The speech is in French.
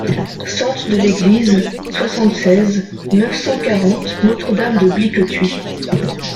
Sente de l'Église, soixante-seize, neuf cent quarante Notre-Dame-de-Bliquetuit